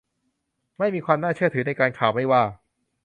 ไม่มีความน่าเชื่อถือในการข่าวไม่ว่า